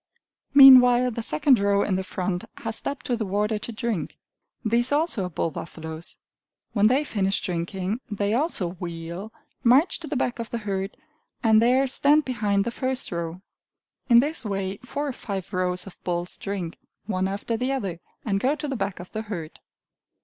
Meanwhile the second row in the front has stepped to the water to drink. These also are bull buffaloes. When they finish drinking, they also wheel, march to the back of the herd, and there stand behind the first row. In this way four or five rows of bulls drink, one after the other, and go to the back of the herd.